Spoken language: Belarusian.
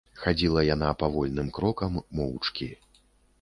Хадзіла яна павольным крокам, моўчкі.